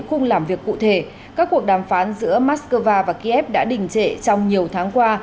khung làm việc cụ thể các cuộc đàm phán giữa moscow và kiev đã đình trệ trong nhiều tháng qua